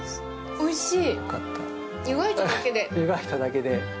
おいしい。